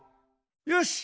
よし。